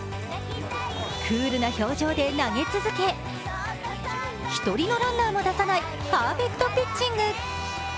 クールな表情で投げ続け１人のランナーも出さないパーフェクトピッチング。